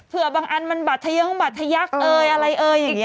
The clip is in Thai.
เผื่อบางอันมันบัดทะเยิ้งบัดทะยักษ์เอออะไรเอออย่างนี้